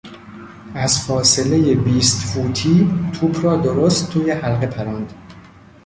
از فاصلهی بیست فوتی توپ را درست توی حلقه پراند.